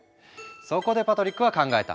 そこでパトリックは考えた。